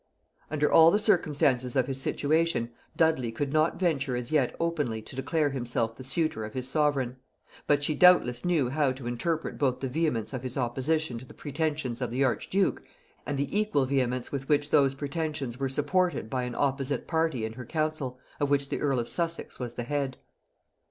Under all the circumstances of his situation, Dudley could not venture as yet openly to declare himself the suitor of his sovereign; but she doubtless knew how to interpret both the vehemence of his opposition to the pretensions of the archduke, and the equal vehemence with which those pretensions were supported by an opposite party in her council, of which the earl of Sussex was the head.